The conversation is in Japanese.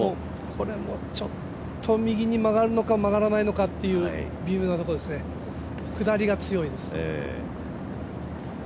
これもちょっと右に曲がるのか曲がらないかっていう微妙なところですね、下りが強いです。